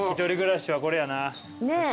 １人暮らしはこれやな。